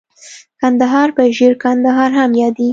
کندهار په ژړ کندهار هم ياديږي.